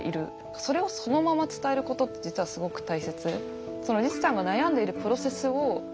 それをそのまま伝えることって実はすごく大切。